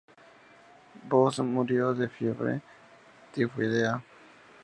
Bose murió de fiebre tifoidea.